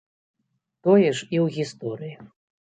Тое ж і ў гісторыі.